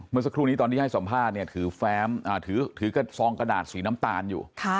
เมื่อสักครู่นี้ตอนที่ให้สัมภาษณ์ถือกระดาษสีน้ำตาลอยู่